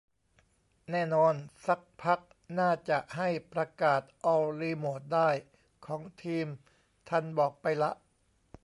แน่นอน ซักพักน่าจะให้ประกาศออลรีโมทได้ ของทีมทันบอกไปละ